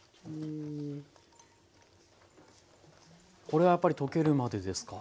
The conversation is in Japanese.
これはやっぱり溶けるまでですか。